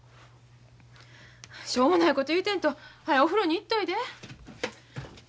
しょうもないこと言うてんとはよお風呂に行っといで。